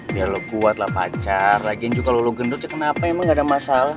biar lo kuat lah pacar lagian juga kalo lo gendut cek kenapa emang gak ada masalah